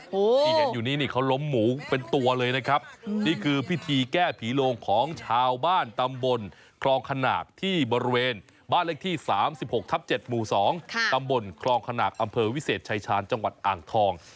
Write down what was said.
ที่เห็นอยู่นี้นี่เขาล้มหมูเป็นตัวเลยนะครับนี่คือพิธีแก้ผีโลงของชาวบ้านตำบลคลองขนากที่บริเวณบ้านเลขที่๓๖ทับ๗หมู่๒ตำบลคลองขนากอำเภอวิเศษชายชาญจังหวัดอ่างทอง